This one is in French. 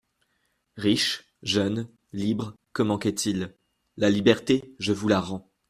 Riche, jeune, libre, que manquait-il ? La liberté, je vous la rends.